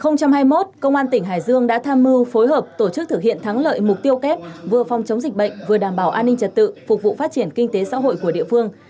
năm hai nghìn hai mươi một công an tỉnh hải dương đã tham mưu phối hợp tổ chức thực hiện thắng lợi mục tiêu kép vừa phòng chống dịch bệnh vừa đảm bảo an ninh trật tự phục vụ phát triển kinh tế xã hội của địa phương